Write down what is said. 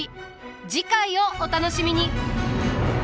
次回をお楽しみに。